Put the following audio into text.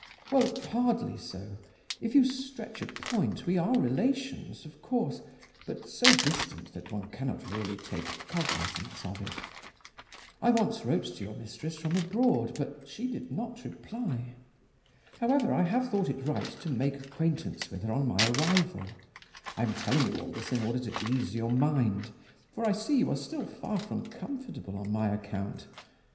"Well, hardly so. If you stretch a point, we are relations, of course, but so distant that one cannot really take cognizance of it. I once wrote to your mistress from abroad, but she did not reply. However, I have thought it right to make acquaintance with her on my arrival. I am telling you all this in order to ease your mind, for I see you are still far from comfortable on my account.